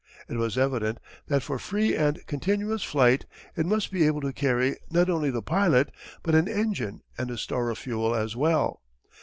It was evident that for free and continuous flight it must be able to carry not only the pilot, but an engine and a store of fuel as well.